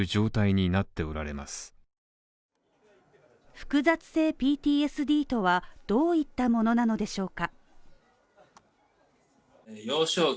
複雑性ＰＴＳＤとはどういったものなのでしょうか？